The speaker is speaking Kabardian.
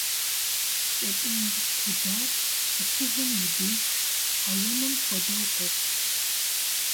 КӀэтӀий кудар къыщывэм и деж къэуэным хуэдэу къопщ.